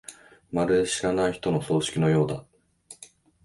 まるで知らない人の葬式のようだ。